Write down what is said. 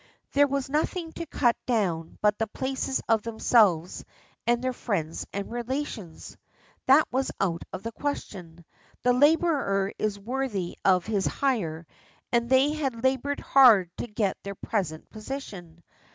There was nothing to cut down but the places of themselves and their friends and relations. That was out of the question. The labourer is worthy of his hire, and they had laboured hard to get into their present position.